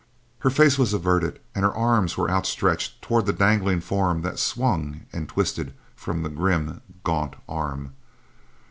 Her face was averted and her arms were outstretched toward the dangling form that swung and twisted from the grim, gaunt arm.